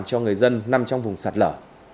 cho người dân nằm trong vùng sạt lở